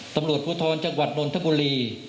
ตำรวจภูทรจังหวัดนนทบุรี